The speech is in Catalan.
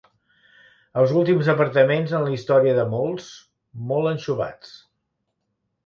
Els últims apartaments en la història de molts, molt anxovats.